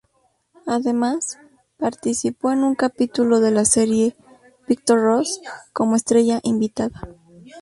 Además, participó en un capítulo de la serie "Víctor Ros" como estrella invitada.